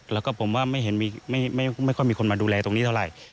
แล้วก็ผมว่าไม่ค่อยมีคนมาดูแลตรงนี้เท่าไหร่